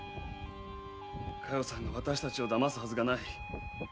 佳代さんが私たちを騙すはずがない。